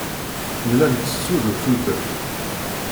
Nella nttessu-d usuten.